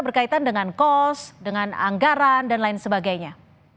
berkaitan dengan kos dengan anggaran dan lain sebagainya